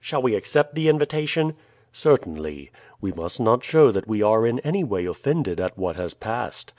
Shall we accept the invitation?" "Certainly. We must not show that we are in any way offended at what has passed.